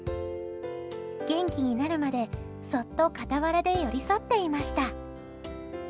元気になるまで、そっと傍らで寄り添っていました。